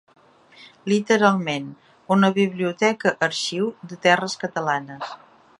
Literalment, una biblioteca-arxiu de terres catalanes.